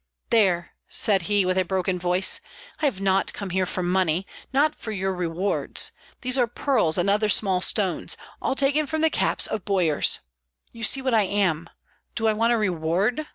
"There!" said he, with a broken voice, "I have not come here for money! Not for your rewards! These are pearls and other small stones; all taken from the caps of boyars. You see what I am. Do I want a reward?